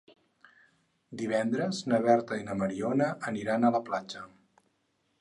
Divendres na Berta i na Mariona aniran a la platja.